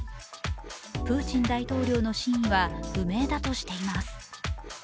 プーチン大統領の真意は不明だとしています。